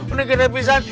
ini kena pisan